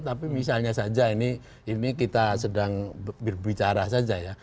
tapi misalnya saja ini kita sedang berbicara saja ya